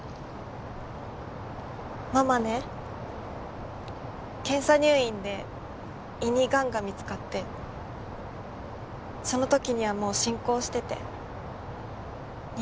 ママね検査入院で胃に癌が見つかってその時にはもう進行してて２年くらいで駄目で。